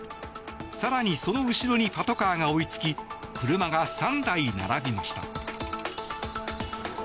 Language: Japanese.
更に、その後ろにパトカーが追いつき車が３台並びました。